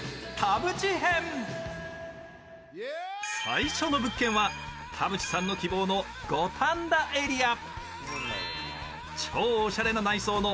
最初の物件は、田渕さんの希望の五反田エリア。